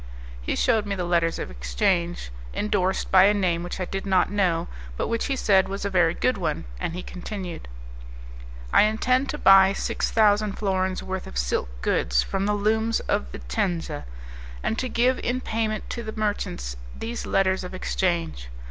He shewed me the letters of exchange, endorsed by a name which I did not know, but which he said was a very good one, and he continued, "I intend to buy six thousand florins worth of silk goods from the looms of Vicenza, and to give in payment to the merchants these letters of exchange.